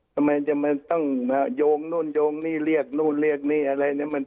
ทำไมจะมาต้องโยงนู่นโยงนี่เรียกนู่นเรียกนี่อะไรเนี่ย